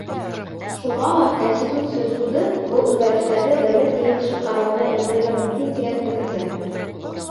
Шуға ла Конституция суды был үҙгәрештәрҙе Дәүләт Йыйылышы ҡарауына индерергә мөмкин тигән фекерҙә.